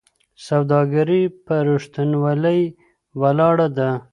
سوداګري په رښتینولۍ ولاړه ده.